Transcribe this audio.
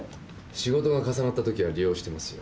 仕事が重なった時は利用してますよ。